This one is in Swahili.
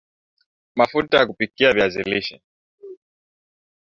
Mafuta ya kupikia viazi lishe